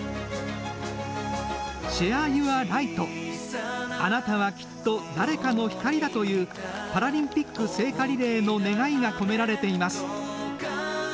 ＳｈａｒｅＹｏｕｒＬｉｇｈｔ、あなたは、きっと、誰かの光だ。という、パラリンピック聖火リレーの願いが込められています。